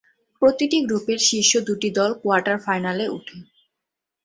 প্রতিটি গ্রুপের শীর্ষ দুটি দল কোয়ার্টার ফাইনালে উঠে।